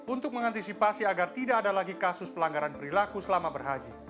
untuk mengantisipasi agar tidak ada lagi kasus pelanggaran perilaku selama berhaji